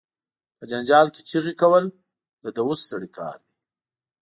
په جنجال کې چغې کول، د دووث سړی کار دي.